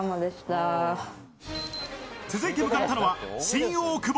続いて向かったのは新大久保。